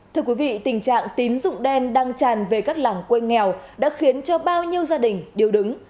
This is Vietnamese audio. thưa quý vị tình trạng tín rụng đen đang tràn về các làng quê nghèo đã khiến cho bao nhiêu gia đình điều đứng